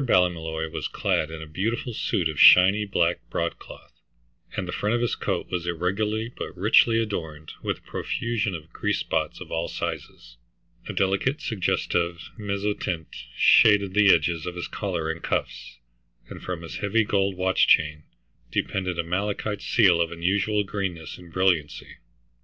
Ballymolloy was clad in a beautiful suit of shiny black broadcloth, and the front of his coat was irregularly but richly adorned with a profusion of grease spots of all sizes. A delicate suggestive mezzotint shaded the edges of his collar and cuffs, and from his heavy gold watch chain depended a malachite seal of unusual greenness and brilliancy.